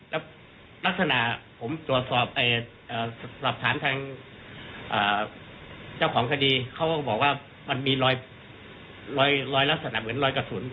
แล้วลักษณะผมตรวจสอบหลักฐานทางเจ้าของคดีเขาก็บอกว่ามันมีรอยลักษณะเหมือนรอยกระสุน